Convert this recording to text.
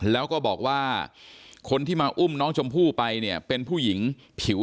แล้วก็บอกว่าคนที่มาอุ้มน้องชมพู่ไปเนี่ยเป็นผู้หญิงผิว